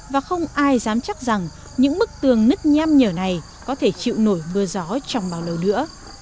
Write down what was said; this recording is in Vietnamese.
và không ai dám chắc rằng những bức tường nứt nham nhở này có thể chịu nổi mưa gió trong bao lâu nữa